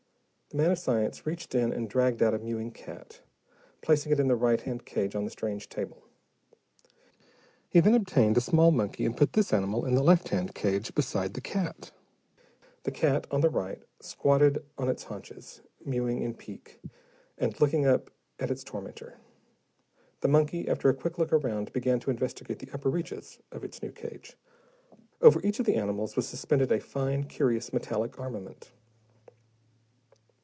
The man of science reached in and dragged out a mewing cat, placing it in the right hand cage on the strange table. He then obtained a small monkey and put this animal in the left hand cage, beside the cat. The cat, on the right, squatted on its haunches, mewing in pique and looking up at its tormentor. The monkey, after a quick look around, began to investigate the upper reaches of its new cage. Over each of the animals was suspended a fine, curious metallic armament.